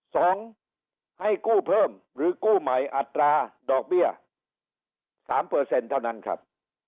สองให้กู้เพิ่มหรือกู้ใหม่อัตราดอกเบี้ยสามเปอร์เซ็นต์เท่านั้นครับ